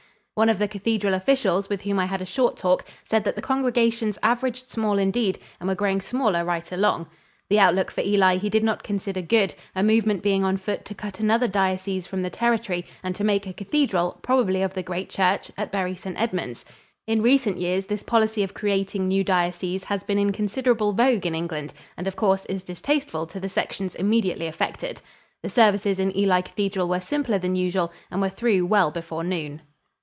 One of the cathedral officials with whom I had a short talk said that the congregations averaged small indeed and were growing smaller right along. The outlook for Ely he did not consider good, a movement being on foot to cut another diocese from the territory and to make a cathedral, probably of the great church, at Bury St. Edmunds. In recent years this policy of creating new dioceses has been in considerable vogue in England, and of course is distasteful to the sections immediately affected. The services in Ely Cathedral were simpler than usual and were through well before noon.